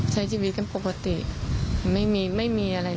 ใช้ชีวิตกันปกติไม่มีไม่มีอะไรเลย